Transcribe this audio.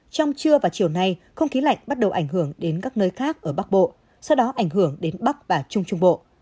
trong trưa và chiều nay không khí lạnh bắt đầu ảnh hưởng đến các nơi khác ở bắc bộ sau đó ảnh hưởng đến bắc và trung trung bộ